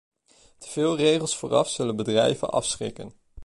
Teveel regels vooraf zullen bedrijven afschrikken.